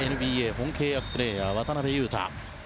本契約プレーヤー渡邊雄太。